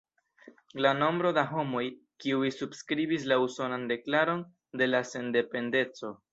La nombro da homoj kiuj subskribis la Usonan Deklaron de Sendependeco.